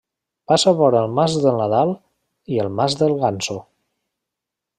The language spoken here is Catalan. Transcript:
Passa vora el Mas del Nadal i el Mas del Ganso.